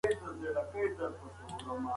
مرغۍ وویل چې د ده سترګه ماته هیڅ ګټه نه لري.